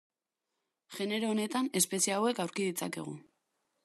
Genero honetan espezie hauek aurki ditzakegu.